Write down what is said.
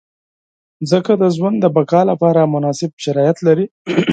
مځکه د ژوند د بقا لپاره مناسب شرایط لري.